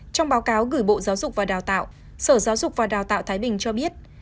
trong báo cáo gửi bộ giáo dục và đào tạo sở giáo dục và đào tạo thái bình cho biết